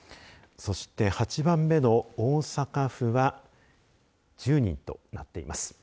そして、８番目の大阪府は１０人となっています。